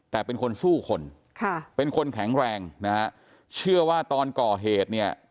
แต่เป็นคนสู้คนค่ะเป็นคนแข็งแรงนะฮะเชื่อว่าตอนก่อเหตุเนี่ย